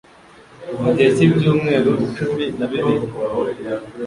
mu gihe cy'ibyumweru cumi nabibiri